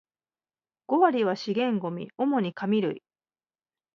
五割は資源ゴミ、主に紙類